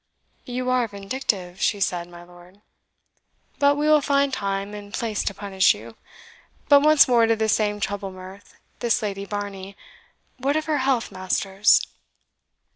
"You are vindictive," she said, "my lord; but we will find time and place to punish you. But once more to this same trouble mirth, this Lady Varney. What of her health, Masters?"